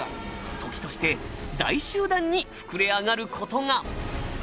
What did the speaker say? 時として大集団に膨れ上がる事が！